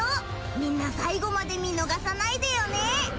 みんな最後まで見逃さないでよね！